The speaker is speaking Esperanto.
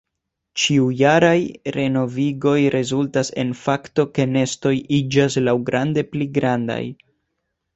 Ĉiujaraj renovigoj rezultas en fakto ke nestoj iĝas laŭgrade pli grandaj.